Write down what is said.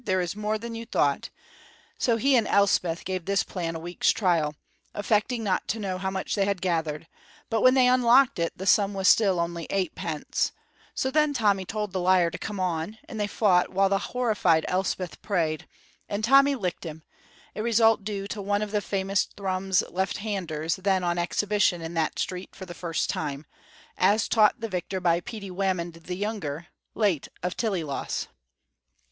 there is more than you thought, so he and Elspeth gave this plan a week's trial, affecting not to know how much they had gathered, but when they unlocked it, the sum was still only eightpence; so then Tommy told the liar to come on, and they fought while the horrified Elspeth prayed, and Tommy licked him, a result due to one of the famous Thrums left handers then on exhibition in that street for the first time, as taught the victor by Petey Whamond the younger, late of Tillyloss.